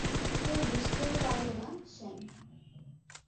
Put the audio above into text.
কেউ বুঝতেও পারল না, স্যাম।